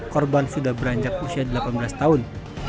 korban sudah beranjak usia delapan belas tahun